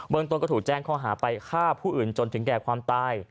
เมืองต้นก็ถูกแจ้งข้อหาไปฆ่าผู้อื่นจนถึงแก่ความตาย